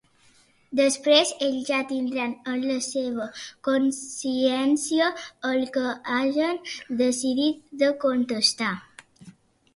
Després ells ja tindran en la seua consciència el que hagen decidit de contestar.